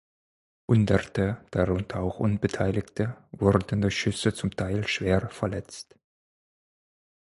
Hunderte, darunter auch Unbeteiligte, wurden durch Schüsse zum Teil schwer verletzt.